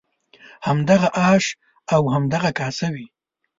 همدغه آش او همدغه کاسه وي.